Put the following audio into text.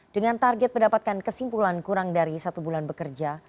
dengan target mendapatkan kesimpulan kurang dari satu bulan bekerja